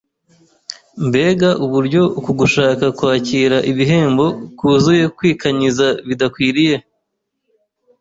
Mbega uburyo uku gushaka kwakira ibihembo kuzuye kwikanyiza bidakwiriye.